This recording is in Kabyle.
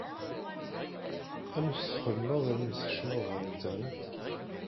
Amek txeddmeḍ armi tkeččmeḍ ɣer Internet?